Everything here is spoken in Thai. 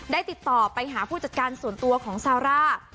ติดต่อไปหาผู้จัดการส่วนตัวของซาร่า